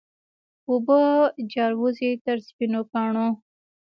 اوبه جاروزي تر سپینو کاڼو